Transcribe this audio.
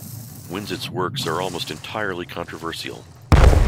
Winzet's works are almost entirely controversial.